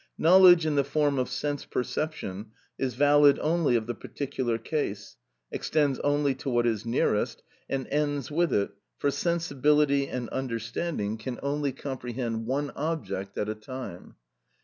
Knowledge in the form of sense perception is valid only of the particular case, extends only to what is nearest, and ends with it, for sensibility and understanding can only comprehend one object at a time.